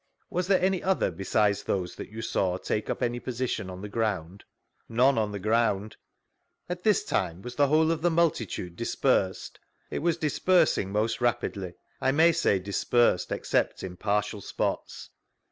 Was there any other besides those that you saw take up any position on the ground?— None, ob the ground. At this tinn, was the whole of the multitude dispersed ?— It was dispersing most rapidly ; I may say dispersed, except in partial spots.